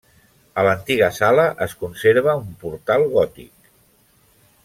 A l'antiga sala es conserva un portal gòtic.